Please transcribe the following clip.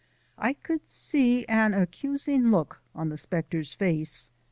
I could see an accusing look on the Spectre's face.